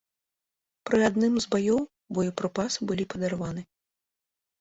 Пры адным з баёў боепрыпасы былі падарваны.